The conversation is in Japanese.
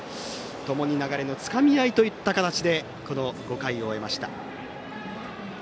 ともに流れのつかみ合いといった形で５回を終えました。